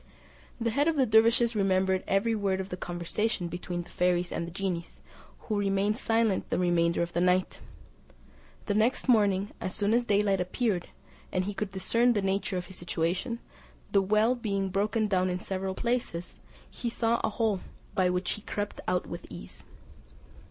The head of the dervises remembered every word of the conversation between the fairies and the genies, who remained silent the remainder of the night. The next morning, as soon as daylight appeared, and he could discern the nature of his situation, the well being broken down in several places, he saw a hole, by which he crept out with ease.